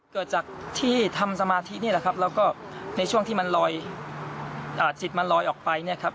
เกิดจากที่ทำสมาธินี่แหละครับแล้วก็ในช่วงที่มันลอยจิตมันลอยออกไปเนี่ยครับ